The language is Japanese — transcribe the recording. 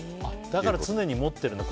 だから常に持ってるんだ。